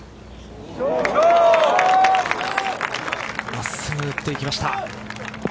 真っすぐ打っていきました。